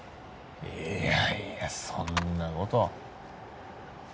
いやいやそんな事。